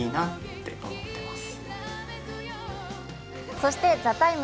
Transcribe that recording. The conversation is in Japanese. そして「ＴＨＥＴＩＭＥ，」